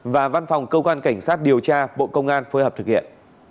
và văn phòng cơ quan cảnh sát điều tra bộ công an phối hợp thực hiện